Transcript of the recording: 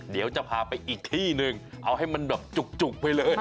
เดี๋ยวจะพาไปอีกที่หนึ่งเอาให้มันแบบจุกไปเลย